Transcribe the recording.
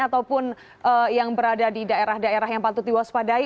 ataupun yang berada di daerah daerah yang patut diwaspadai